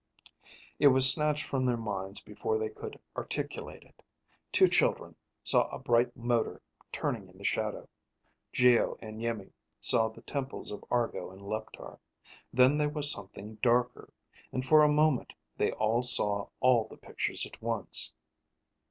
It was snatched from their minds before they could articulate it. Two children saw a bright motor turning in the shadow. Geo and Iimmi saw the temples of Argo in Leptar. Then there was something darker. And for a moment, they all saw all the pictures at once.